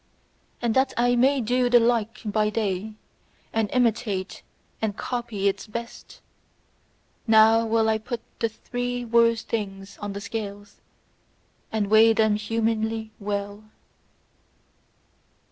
And that I may do the like by day, and imitate and copy its best, now will I put the three worst things on the scales, and weigh them humanly well.